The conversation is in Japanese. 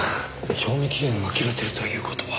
賞味期限が切れてるという事は。